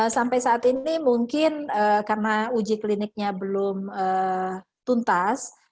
sampai saat ini mungkin karena uji kliniknya belum tuntas